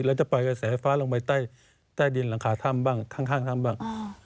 แล้วจะปล่อยกระแสไฟฟ้าลงไปใต้ดินหลังขาถ้ำบ้างข้างถ้ำบ้าง